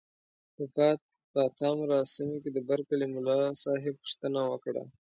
په پاتا مراسمو کې د برکلي ملاصاحب پوښتنه وکړه.